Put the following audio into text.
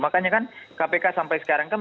makanya kan kpk sampai sekarang kan